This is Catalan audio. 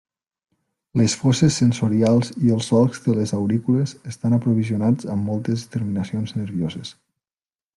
Les fosses sensorials i els solcs de les aurícules estan aprovisionats amb moltes terminacions nervioses.